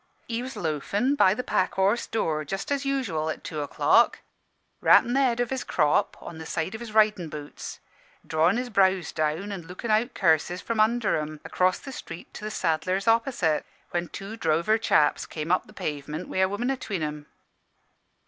"He was loafin' by the Pack Horse door, just as usual, at two o'clock, rappin' the head o' his crop on the side o' his ridin' boots, drawin' his brows down an' lookin' out curses from under 'em across the street to the saddler's opposite, when two drover chaps came up the pavement wi' a woman atween 'em.